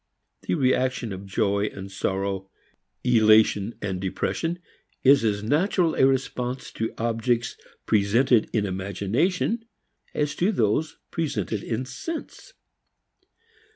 The reaction of joy and sorrow, elation and depression, is as natural a response to objects presented in imagination as to those presented in sense.